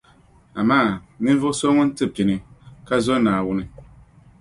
Amaa! Ninvuɣu so ŋun ti pini, ka zo Naawuni.